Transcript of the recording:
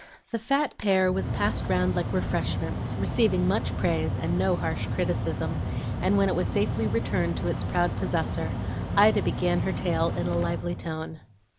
The fat pear was passed round like refreshments, receiving much praise and no harsh criticism; and when it was safely returned to its proud possessor, Ida began her tale in a lively tone.